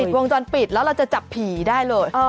วงจรปิดแล้วเราจะจับผีได้เลย